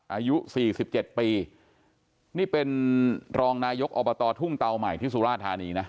อายุสี่สิบเจ็ดปีนี่เป็นรองนายกอบตทุ่งเตาใหม่ที่สุราธานีนะ